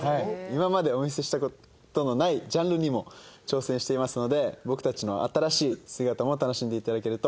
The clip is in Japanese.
今までお見せした事のないジャンルにも挑戦していますので僕たちの新しい姿も楽しんで頂けると思います。